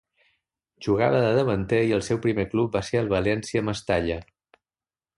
Jugava de davanter i el seu primer club va ser el València Mestalla.